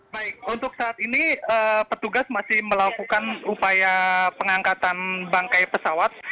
baik untuk saat ini petugas masih melakukan upaya pengangkatan bangkai pesawat